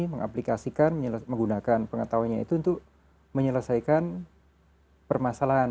mengaplikasikan menggunakan pengetahuannya itu untuk menyelesaikan permasalahan